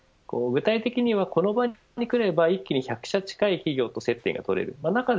具体的にはこの場に来れば一気に１００社近い企業と接点が取れる。